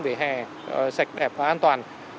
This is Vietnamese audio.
vỉa hè sạch đẹp và an toàn